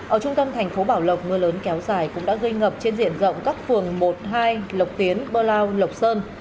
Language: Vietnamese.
ở trung tâm thành phố bảo lộc mưa lớn kéo dài cũng đã gây ngập trên diện rộng các phường một hai lộc tiến bơ lao lộc sơn